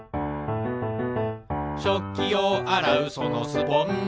「しょっきをあらうそのスポンジ」